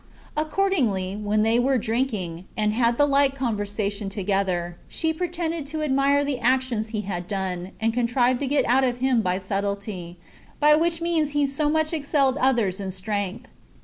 Accordingly, when they were drinking, and had the like conversation together, she pretended to admire the actions he had done, and contrived to get out of him by subtlety, by what means he so much excelled others in strength.